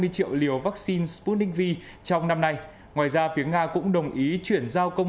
hai mươi triệu liều vaccine sputnik v trong năm nay ngoài ra phía nga cũng đồng ý chuyển giao công